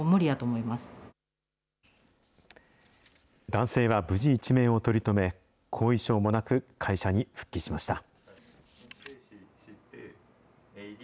男性は無事一命を取り留め、後遺症もなく、会社に復帰しました。